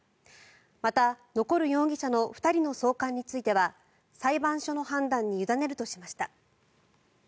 また、残る容疑者の２人の送還については裁判所の判断に委ねるとしました。